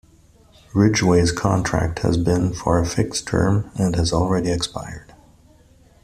Ridgeway's contract had been for a fixed term and had already expired.